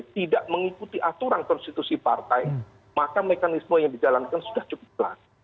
tidak mengikuti aturan konstitusi partai maka mekanisme yang dijalankan sudah cukup jelas